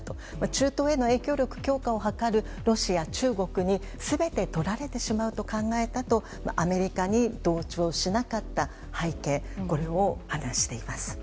中東への影響力強化を図るロシア、中国に全てとられてしまうと考えたとアメリカに同調しなかった背景を話しています。